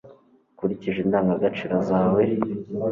ukurikije indangagaciro zawe